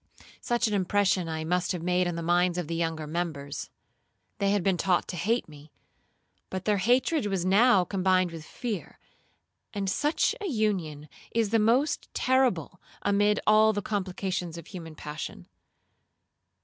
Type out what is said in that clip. Such an impression I must have made on the minds of the younger members. They had been taught to hate me, but their hatred was now combined with fear, and such a union is the most terrible amid all the complications of human passion.